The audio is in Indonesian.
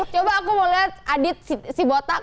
coba aku mau lihat adit si botak